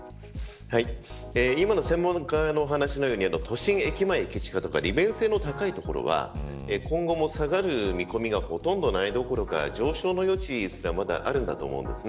今の専門家の話のように都心、駅前、駅近とか利便性の高い所は今後も下がる見込みはほとんどないところが上昇の余地すらまだあるんだと思うんです。